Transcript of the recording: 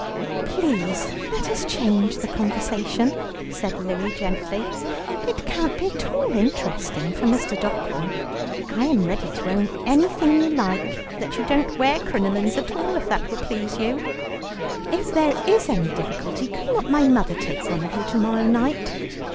"Please let us change the conversation," said Louie gently, "it can't be at all interesting for Mr. Dockerell. I am ready to own anything you like, that you don't wear crinolines at all, if that will please you." "If there is any difficulty, could not my mother take one of you to morrow night?"